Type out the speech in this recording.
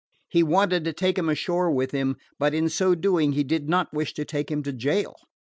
He wanted to take him ashore with him, but in so doing he did not wish to take him to jail.